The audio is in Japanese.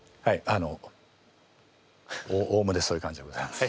あのおおむねそういう感じでございます。